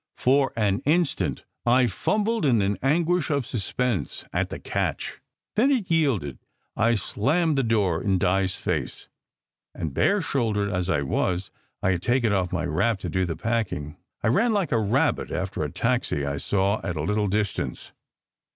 For an instant I fum bled in an anguish of suspense at the catch. Then it yielded. I slammed the door in Di s face, and bare shouldered as I was (I had taken off my wrap to do the packing) I ran like a rabbit after a taxi I saw at a little distance.